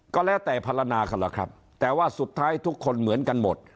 ก็แล้วแต่พลนากันล่ะครับแต่ว่าสุดท้ายทุกคนเหมือนกันหมด